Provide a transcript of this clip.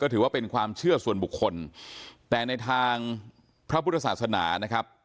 ถือว่าเป็นความเชื่อส่วนบุคคลแต่ในทางพระพุทธศาสนานะครับ